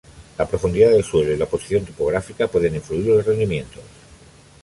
La profundidad del suelo y la posición topográfica pueden influir en los rendimientos.